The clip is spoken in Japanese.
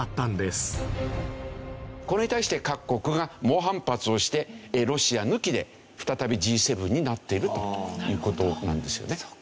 これに対して各国が猛反発をしてロシア抜きで再びＧ７になっているという事なんですよね。